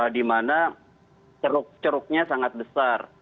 dimana ceruk ceruknya sangat besar